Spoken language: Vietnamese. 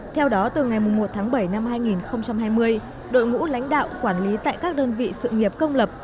theo đó từ ngày một tháng bảy năm hai nghìn hai mươi đội ngũ lãnh đạo quản lý tại các đơn vị sự nghiệp công lập